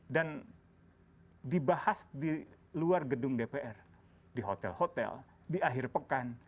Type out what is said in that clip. dan dibahas di luar gedung dpr di hotel hotel di akhir pekan